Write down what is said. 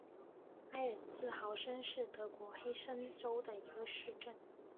埃尔茨豪森是德国黑森州的一个市镇。